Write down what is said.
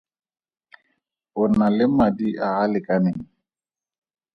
A o na le madi a a lekaneng?